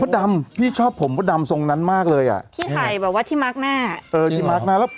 ดำพี่ชอบผมมดดำทรงนั้นมากเลยอ่ะพี่ไข่แบบว่าที่มาร์คหน้าเออที่มาร์คหน้าแล้ว